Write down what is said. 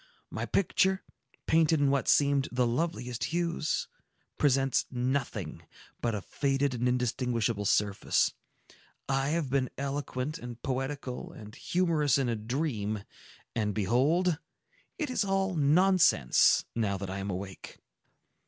My picture, painted in what seemed the loveliest hues, presents nothing but a faded and indistinguishable surface. I have been eloquent and poetical and humorous in a dream,—and behold! it is all nonsense, now that I am awake."